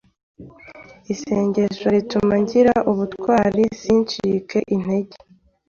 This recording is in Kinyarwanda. Isengesho rituma ngira ubutwari, sincike intege,